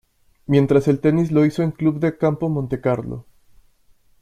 Mientras el tenis lo hizo en club de campo Monte Carlo.